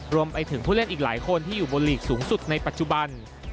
รวมไปถึงผู้เล่นอีกหลายคนที่อยู่บนหลีกสูงสุดในปัจจุบัน